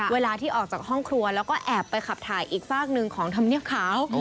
เวลาที่ออกจากห้องครัวแล้วก็แอบไปขับถ่ายอีกฝากหนึ่งของธรรมเนียบขาว